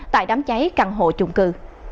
tại đám cháy căn hộ trung cư